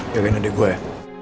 gak kena adik gue ya